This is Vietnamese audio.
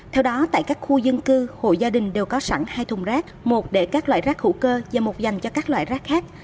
theo đó tại các khu dân cư hội gia đình đều có sẵn hai thùng rác một để các loại rác hữu cơ và một dành cho các loại rác khác